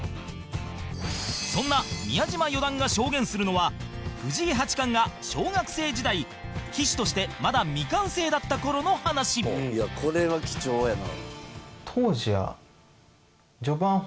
そんな宮嶋四段が証言するのは藤井八冠が小学生時代棋士としてまだ未完成だった頃の話高橋：これは貴重やな。